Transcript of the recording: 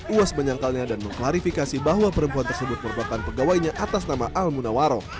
uas menyangkalnya dan mengklarifikasi bahwa perempuan tersebut merupakan pegawainya atas nama al munawaro